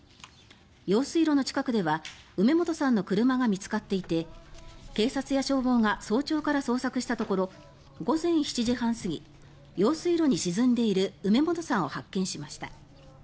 用水路の近くでは梅本さんの車が見つかっていて警察や消防が早朝から捜索したところ午前７時半過ぎ用水路に沈んでいる梅本さんを発見しました。